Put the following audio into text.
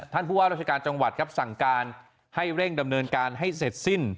ท่านพูดว่ารัฐการณ์จังหวัดสั่งการให้เร่งดำเนินการให้เสร็จสิ้น